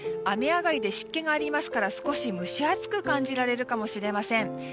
雨上がりで湿気がありますから少し蒸し暑く感じられるかもしれません。